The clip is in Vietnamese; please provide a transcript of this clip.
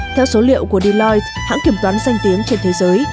theo số liệu của deoy hãng kiểm toán danh tiếng trên thế giới